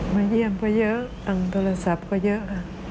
มาเยี่ยมก็เยอะทางโทรศัพท์ก็เยอะค่ะ